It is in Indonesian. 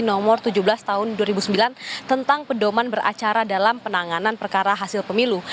nomor tujuh belas tahun dua ribu sembilan tentang pedoman beracara dalam penanganan perkara hasil pemilu